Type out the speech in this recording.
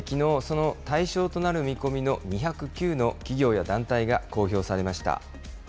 きのう、その対象となる見込みの２０９の企業や団体が公表されました。